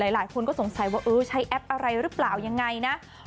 หลายคนก็สงสัยว่าเออใช้แอปอะไรหรือเปล่ายังไงนะ